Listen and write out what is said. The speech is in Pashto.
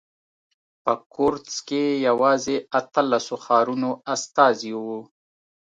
په کورتس کې یوازې اتلسو ښارونو استازي وو.